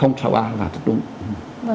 có nghĩa là với mỗi một thời điểm